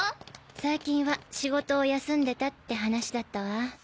最近は仕事を休んでたって話だったわ。